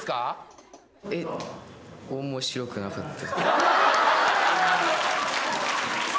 面白くなかった！？